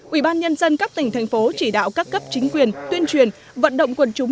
ủy ban nhân dân các tỉnh thành phố chỉ đạo các cấp chính quyền tuyên truyền vận động quần chúng